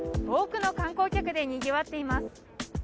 多くの観光客でにぎわっています。